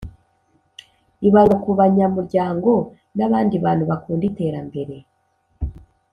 Ibarura kubanyamuryango n,abandi bantu bakunda iterambere.